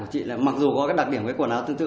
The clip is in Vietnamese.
của chị mặc dù có đặc điểm với quần áo tương tự